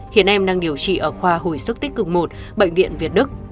hiện em đang điều trị ở khoa hồi sức tích cực một bệnh viện việt đức